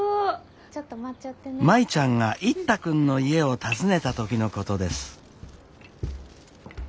舞ちゃんが一太君の家を訪ねた時のことです。